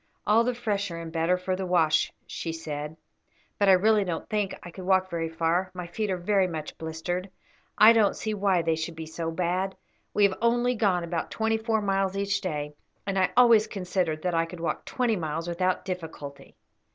"All the fresher and better for the wash," she said; "but I really don't think I could walk very far, my feet are very much blistered. I don't see why they should be so bad; we have only gone about twenty four miles each day, and I always considered that I could walk twenty miles without difficulty."